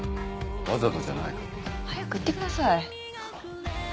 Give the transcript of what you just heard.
わざとじゃないから。早く行ってください。